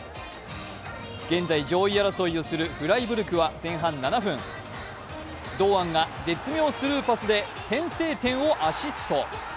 現在上位争いをするフライブルクは堂安が絶妙スルーパスで先制点をアシスト。